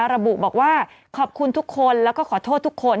ระบุบอกว่าขอบคุณทุกคนแล้วก็ขอโทษทุกคน